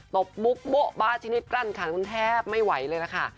ตบบุกโบะบลาชินิดกรรณกลางคุณแทบไม่ไหวเลยล่ะค่ะ